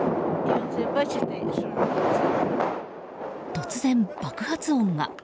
突然、爆発音が。